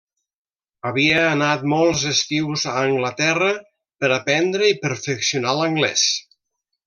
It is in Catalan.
Havia anat molts estius a Anglaterra per aprendre i perfeccionar l'anglès.